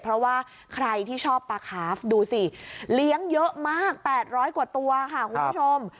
เพราะว่าใครที่ชอบปลาคาฟดูสิเลี้ยงเยอะมาก๘๐๐กว่าตัวค่ะคุณผู้ชม